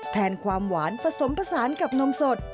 แทนความหวานผสมผสานกับนมสด